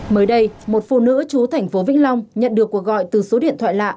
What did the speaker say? mới đây một phụ nữ chú thành phố vĩnh long nhận được cuộc gọi từ số điện thoại lạ